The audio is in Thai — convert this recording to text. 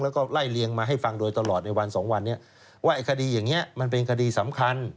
แล้วก็ไล่เลียงมาให้ฟังโดยตลอดในวันสองวันนี้ว่าไอ้คดีอย่างนี้มันเป็นคดีสำคัญ